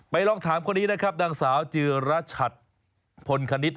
ลองถามคนนี้นะครับนางสาวจิรชัดพลคณิต